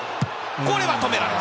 これは止められた。